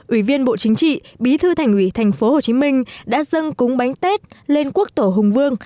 ủy viên bộ chính trị bí thư thành ủy tp hcm đã dâng cúng bánh tết lên quốc tổ hùng vương